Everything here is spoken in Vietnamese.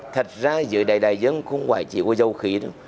thật ra giữa đại dân không quả chỉ có dầu khí